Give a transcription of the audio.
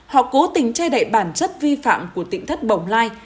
họ cố tình che đậy bản chất vi phạm của tỉnh thất bồng lai